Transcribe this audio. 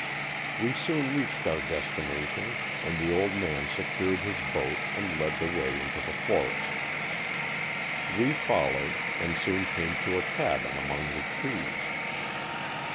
We soon reached our destina tion and the old man secured his boat and led the way into the forest. We followed and soon came to a cabin among the trees.